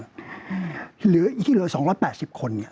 ที่เหลือ๒๘๐คน